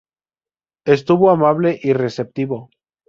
Estuvo amable y receptivo.